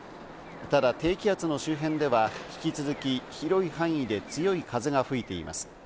ただ低気圧の周辺では引き続き、広い範囲で強い風が吹いています。